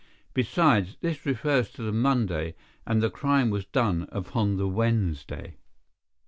Besides, this refers to the Monday, and the crime was done upon the Wednesday.